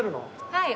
はい。